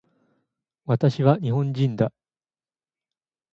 私は日本人だ